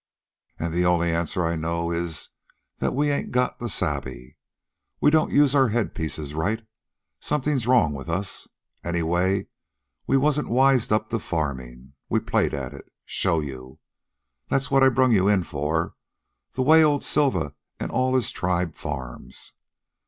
An' the only answer I know is that we ain't got the sabe. We don't use our head pieces right. Something's wrong with us. Anyway, we wasn't wised up to farming. We played at it. Show you? That's what I brung you in for the way old Silva an' all his tribe farms.